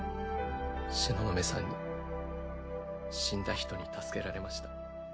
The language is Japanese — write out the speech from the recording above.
東雲さんに死んだ人に助けられました。